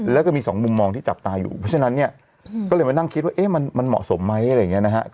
แล้วก็มีสองมุมมองที่จับตาอยู่เพราะฉะนั้นเนี่ยก็เลยมานั่งคิดว่ามันเหมาะสมไหมอะไรอย่างนี้นะฮะ